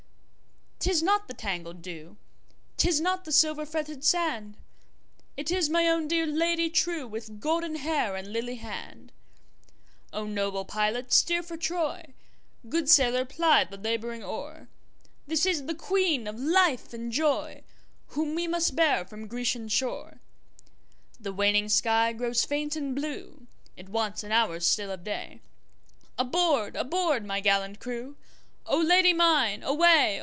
'tis not the tangled dew,'Tis not the silver fretted sand, It is my own dear Lady trueWith golden hair and lily hand!O noble pilot steer for Troy, Good sailor ply the labouring oar, This is the Queen of life and joyWhom we must bear from Grecian shore! The waning sky grows faint and blue, It wants an hour still of day, Aboard! aboard! my gallant crew,O Lady mine away!